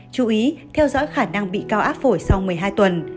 chú ý theo dõi khả năng bị cao áp phổi sau một mươi hai tuần